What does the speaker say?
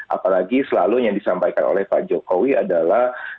apalagi selalu yang disampaikan oleh pak jokowi adalah